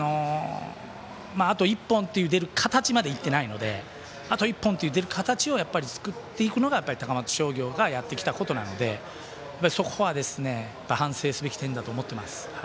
あと１本出るという形までいってないのであと１本って出る形を作っていくのが高松商業がやってきたことなのでそこは反省すべき点と思ってます。